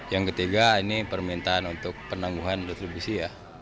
yang ketiga ini permintaan untuk penangguhan retribusi